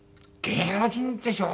「芸能人でしょ？」